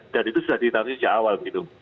dan itu sudah ditangani sejak awal